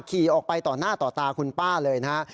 ขี่ออกไปต่อหน้าต่อตาคุณป้าเลยนะฮะ